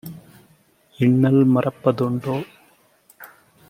இன்னல் மறப்ப துண்டோ?"